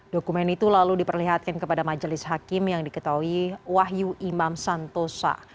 dokumen itu lalu diperlihatkan kepada majelis hakim yang diketahui wahyu imam santosa